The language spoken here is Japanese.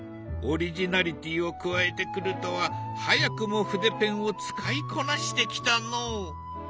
オリジナリティーを加えてくるとは早くも筆ペンを使いこなしてきたのう。